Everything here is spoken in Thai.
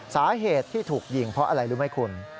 สาเหตุที่ถูกยิงเพราะอะไรรู้ไหมคุณ